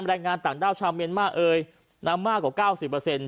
แรงงานต่างด้าวชาวเมียนมาร์เอ่ยน้ำมากกว่าเก้าสิบเปอร์เซ็นต